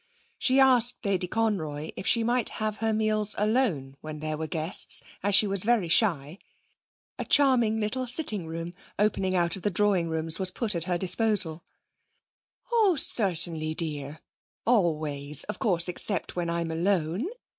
She asked Lady Conroy if she might have her meals alone when there were guests, as she was very shy. A charming little sitting room, opening out of the drawing rooms, was put at her disposal. 'Oh, certainly, dear; always, of course, except when I'm alone.